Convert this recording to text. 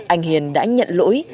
anh hiền đã nhận lỗi